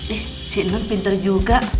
eh si non pinter juga